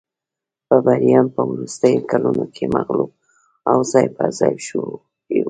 بربریان په وروستیو کلونو کې مغلوب او ځای پرځای شوي وو